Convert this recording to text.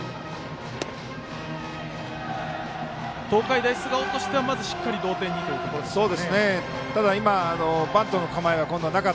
東海大菅生としてはまずしっかり同点にということですか。